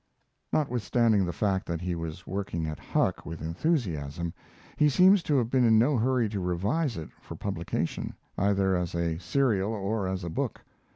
Notwithstanding the fact that he was working at Huck with enthusiasm, he seems to have been in no hurry to revise it for publication, either as a serial or as a book.